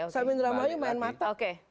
sambil ramai main mata